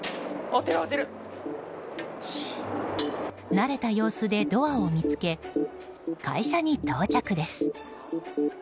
慣れた様子でドアを見つけ会社に到着です。